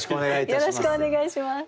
よろしくお願いします。